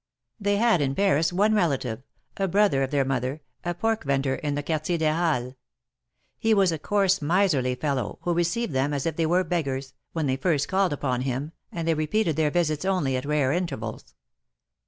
They had in Paris one relative, a brother of their mother, a pork vendor in the Quartier des Halles. He was a coarse, miserly fellow, who received them as if they were beggars, when they first called upon him, and they repeated their visits only at rare intervals.